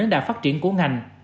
đến đà phát triển của ngành